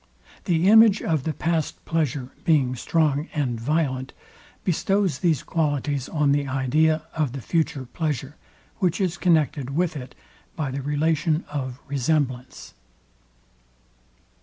The image of the past pleasure being strong and violent, bestows these qualities on the idea of the future pleasure, which is connected with it by the relation of resemblance.